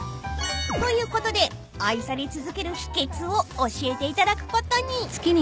［ということで愛され続ける秘訣を教えていただくことに］